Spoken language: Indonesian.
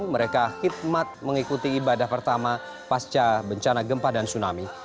mereka khidmat mengikuti ibadah pertama pasca bencana gempa dan tsunami